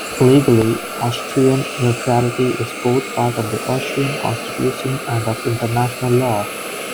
Legally, Austrian neutrality is both part of the Austrian constitution and of international law.